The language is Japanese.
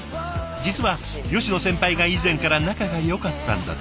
実は吉野先輩が以前から仲がよかったんだとか。